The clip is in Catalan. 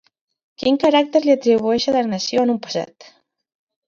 Quin caràcter li atribueix a la nació en un passat?